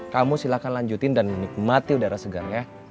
kamu silahkan lanjutin dan nikmati udara segar ya